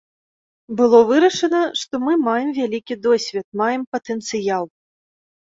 Было вырашана, што мы маем вялікі досвед, маем патэнцыял.